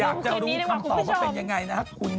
อยากจะรู้คำตอบว่าเป็นยังไงนะครับ